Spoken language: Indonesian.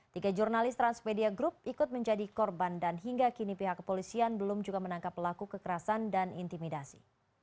tiga jurnalis transmedia group ikut menjadi korban dan hingga kini pihak kepolisian belum juga menangkap pelaku kekerasan dan intimidasi